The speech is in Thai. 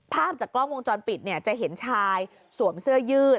ภาพจากกล้องวงจรปิดเนี่ยจะเห็นชายสวมเสื้อยืด